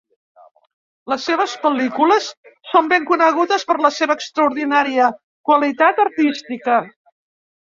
Les seves pel·lícules són ben conegudes per la seva extraordinària qualitat artística.